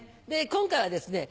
今回はですね